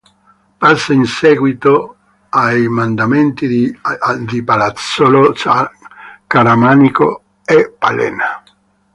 Passa in seguito ai mandamenti di Palazzolo, Caramanico e Palena.